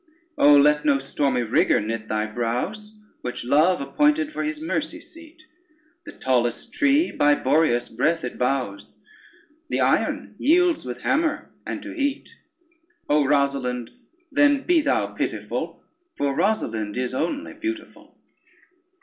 Oh let no stormy rigor knit thy brows, Which love appointed for his mercy seat: The tallest tree by Boreas' breath it bows; The iron yields with hammer, and to heat. O Rosalynde, then be thou pitiful, For Rosalynde is only beautiful.